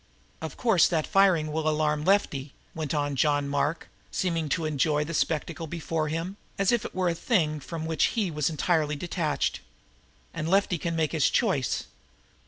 "Of course that firing will be the alarm for Lefty," went on John Mark, seeming to enjoy the spectacle before him, as if it were a thing from which he was entirely detached. "And Lefty can make his choice.